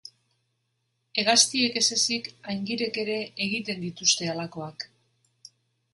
Hegaztiek ez ezik, aingirek ere egiten dituzte halakoak.